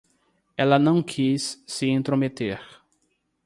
Ela não quis se intrometer.